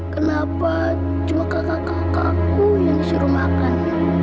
kenapa cuma kakak kakakku yang disuruh makan